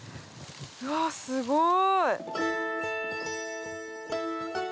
うわすごい！